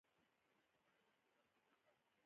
احمد تل په خبروکې ټوپونه وهي یوه کوي دوې پرېږدي.